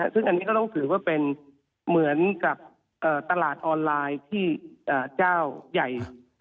ซึ่งอันนี้ก็ต้องถือว่าเป็นเหมือนกับตลาดออนไลน์ที่เจ้าใหญ่